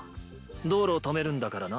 道路を止めるんだからな。